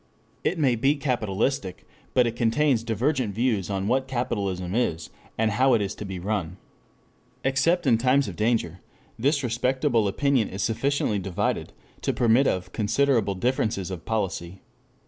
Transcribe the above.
It may be "capitalistic" but it contains divergent views on what capitalism is, and how it is to be run. Except in times of danger, this respectable opinion is sufficiently divided to permit of considerable differences of policy.